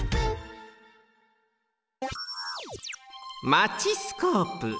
マチスコープ。